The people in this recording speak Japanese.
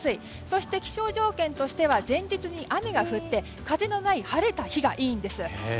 そして、気象条件としては前日に雨が降って風のない晴れた日がいいんです。